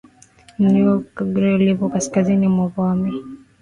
Milima ya Ukaguru iliyopo Kaskazini mwa Wami